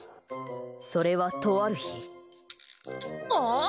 それは、とある日。